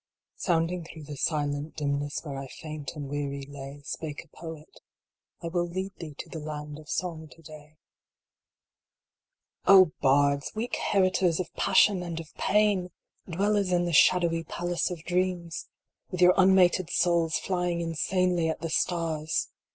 " Sounding through the silent dimness Where I faint and weary lay, Spake a poet : I will lead thee To the land of song to day. " f~\ BARDS ! weak heritors of passion and of pain ! Dwellers in the shadowy Palace of Dreams ! With your unmated souls flying insanely at the stars